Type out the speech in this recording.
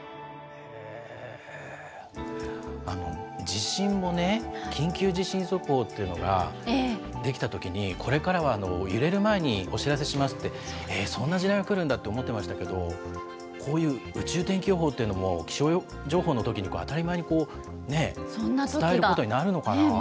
地震もね、緊急地震速報っていうのができたときに、これからは揺れる前にお知らせしますって、そんな時代が来るんだって思ってましたけれども、こういう宇宙天気予報というのも、気象情報のときに当たり前に伝えることになるのかなと。